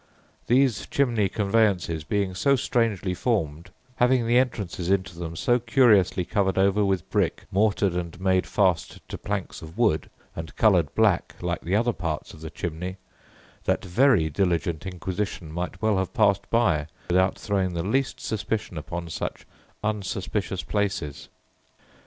These chimney conveyances being so strangely formed, having the entrances into them so curiously covered over with brick, mortared and made fast to planks of wood, and coloured black, like the other parts of the chimney, that very diligent inquisition might well have passed by, without throwing the least suspicion upon such unsuspicious places.